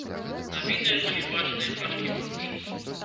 На відэа былі бачныя пачкі грошай.